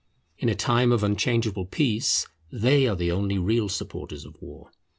In a time of unchangeable peace they are the only real supporters of war.